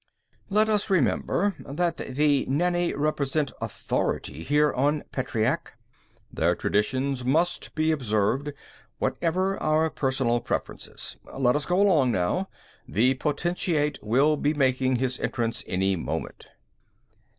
Let us remember that the Nenni represent authority here on Petreac. Their traditions must be observed, whatever our personal preferences. Let's go along now. The Potentate will be making his entrance any moment."